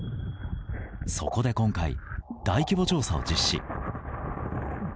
そこで今回、大規模調査を実施。